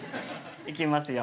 いきますよ。